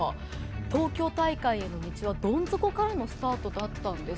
東京大会への道はどん底からのスタートとなったんです。